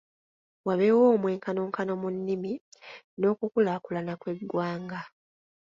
Wabeewo omwenkanonkano mu nnimi n'okukulaakulana kw'eggwanga.